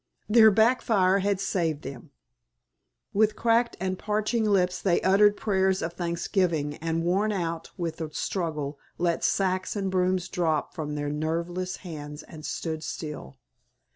Their back fire had saved them. With cracked and parching lips they uttered prayers of thanksgiving, and worn out with the struggle let sacks and brooms drop from their nerveless hands and stood still.